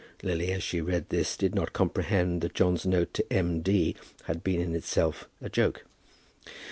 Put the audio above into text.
Lily, as she read this, did not comprehend that John's note to M. D. had been in itself a joke.